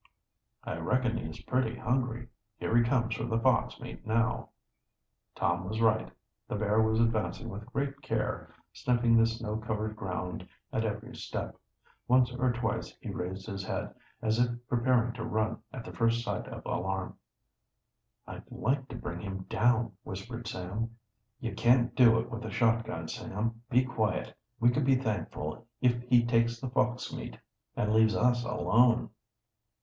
"I reckon he is pretty hungry. Here he comes for the fox meat now." Tom was right. The bear was advancing with great care, sniffing the snow covered ground at every step. Once or twice he raised his head, as if preparing to run at the first sign of alarm. "I'd like to bring him down!" whispered Sam. "You can't do it with the shotgun, Sam. Be quiet! We can be thankful if he takes the fox meat and leaves us alone."